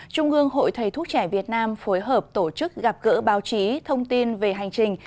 trung ương hội thầy thuốc trẻ việt nam phối hợp tổ chức gặp gỡ báo chí thông tin về hành trình